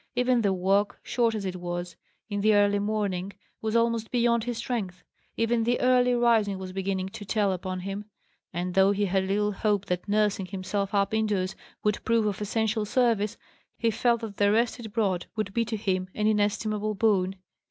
Even the walk, short as it was, in the early morning, was almost beyond his strength; even the early rising was beginning to tell upon him. And though he had little hope that nursing himself up indoors would prove of essential service, he felt that the rest it brought would be to him an inestimable boon.